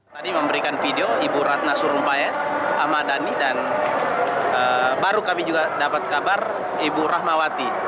tadi memberikan video ibu ratna surumpayat ahmad dhani dan baru kami juga dapat kabar ibu rahmawati